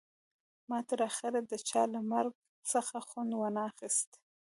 ما تر اخره د چا له مرګ څخه خوند ونه خیست